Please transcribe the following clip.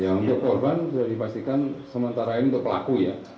ya untuk korban sudah dipastikan sementara ini untuk pelaku ya